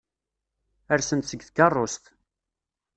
Rsen-d seg tkeṛṛust.